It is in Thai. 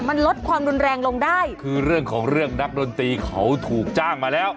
มันลดความรุนแรงลงได้คือเรื่องของเรื่องนักดนตรีเขาถูกจ้างมาแล้ว